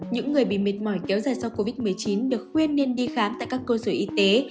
những người bị mệt mỏi kéo dài do covid một mươi chín được khuyên nên đi khám tại các cơ sở y tế